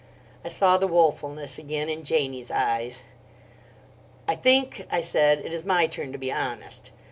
I saw the woefulness again in Janie's eyes. "I think," I said, "it is my turn to be honest.